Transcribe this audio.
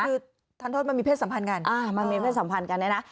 คือทันโทษมันมีเพศสัมพันธ์กันมันมีเพศสัมพันธ์กันเนี่ยนะ